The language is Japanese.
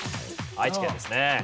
愛知県ですね。